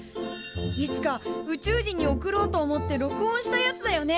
いつか宇宙人に送ろうと思って録音したやつだよね。